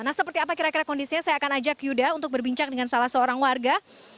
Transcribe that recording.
nah seperti apa kira kira kondisinya saya akan ajak yuda untuk berbincang dengan salah seorang warga